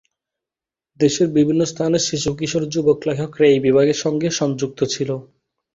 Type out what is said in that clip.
দেশের বিভিন্ন স্থানের শিশু-কিশোর-যুবক লেখকরা এই বিভাগের সঙ্গে সংযুক্ত ছিল।